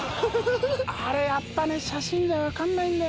あれやっぱね写真じゃわからないんだよ。